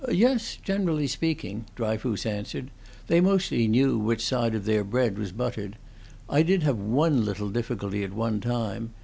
"Yes, generally speaking," Dryfoos answered. "They mostly knew which side of their bread was buttered. I did have one little difficulty at one time.